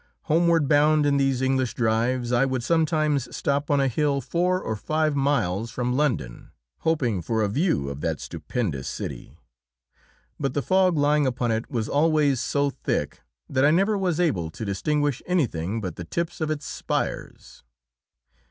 Homeward bound in these English drives, I would sometimes stop on a hill four or five miles from London, hoping for a view of that stupendous city, but the fog lying upon it was always so thick that I never was able to distinguish anything but the tips of its spires.